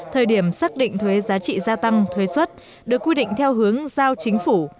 thời điểm xác định thuế giá trị gia tăng thuế xuất được quy định theo hướng giao chính phủ